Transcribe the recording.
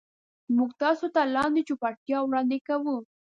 موږ تاسو ته لاندې چوپړتیاوې وړاندې کوو.